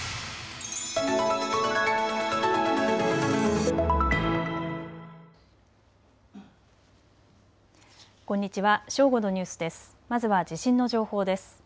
まずは地震の情報です。